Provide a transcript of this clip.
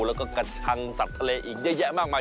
แล้วก็กระชังสัตว์ทะเลอีกเยอะแยะมากมาย